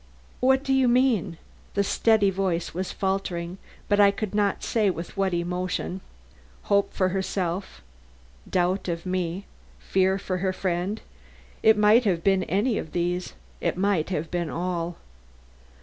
"What do you mean?" The steady voice was faltering, but I could not say with what emotion hope for herself doubt of me fear for her friend; it might have been any of these; it might have been all.